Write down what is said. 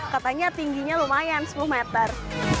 katanya tingginya lumayan sepuluh meter